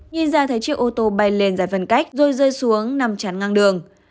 nhìn ra thấy chiếc ô tô bay lên giải phân cách rồi rơi xuống nằm chắn ngang đường